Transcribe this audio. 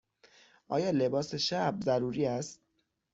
آیا لباس شب ضروری است؟